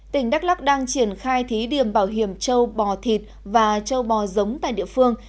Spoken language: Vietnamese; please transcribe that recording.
tỉnh đắk lắc đang triển khai thí điểm bảo hiểm châu bò thịt và châu bò giống tại địa phương